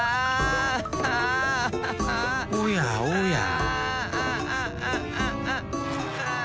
おやおや？